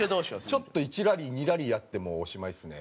ちょっと１ラリー２ラリーやってもうおしまいですね。